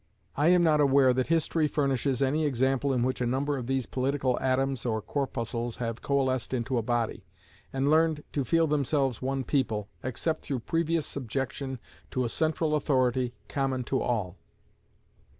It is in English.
I am not aware that history furnishes any example in which a number of these political atoms or corpuscles have coalesced into a body, and learned to feel themselves one people, except through previous subjection to a central authority common to all.